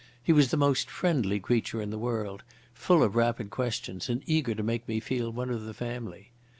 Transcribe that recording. He was the most friendly creature in the world, full of rapid questions, and eager to make me feel one of the family.